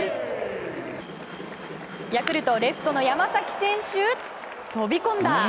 ヤクルト、レフトの山崎選手飛び込んだ！